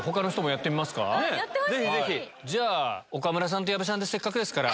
やってほしい！じゃ岡村さんと矢部さんでせっかくですから。